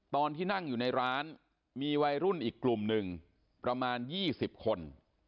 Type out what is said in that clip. ตอนที่นั่งอยู่ในร้านมีวัยรุ่นอีกกลุ่มหนึ่งประมาณ๒๐คน